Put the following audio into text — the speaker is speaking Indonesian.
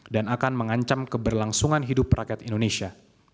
dan akan mengancam keberlangsungan hidup rakyat indonesia